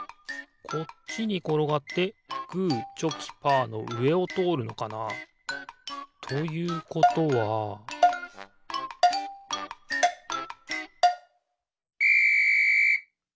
こっちにころがってグーチョキパーのうえをとおるのかな？ということはピッ！